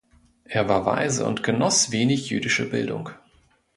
Er war Waise und genoss wenig jüdische Bildung.